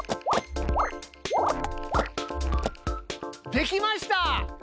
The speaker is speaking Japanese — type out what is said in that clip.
できました！